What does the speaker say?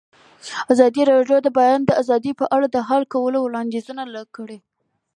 ازادي راډیو د د بیان آزادي په اړه د حل کولو لپاره وړاندیزونه کړي.